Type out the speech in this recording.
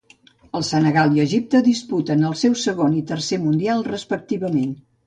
El Senegal i Egipte disputaven el seu segon i tercer Mundial, respectivament.